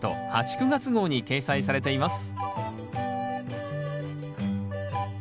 ９月号に掲載されています